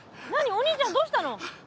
お兄ちゃんどうしたの？